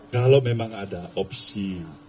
kalau memang ada opsi